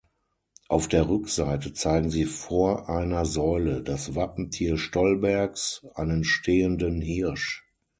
Auf der Rückseite zeigen sie vor einer Säule das Wappentier Stolbergs, einen stehenden Hirsch.